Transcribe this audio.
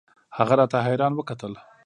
هغه راته حيران وکتل.